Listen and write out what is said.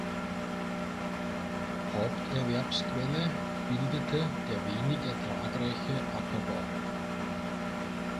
Haupterwerbsquelle bildete der wenig ertragreiche Ackerbau.